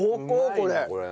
これ。